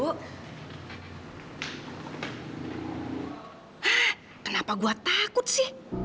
kenapa gue takut sih